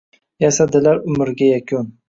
Yasadilar umrga yakun.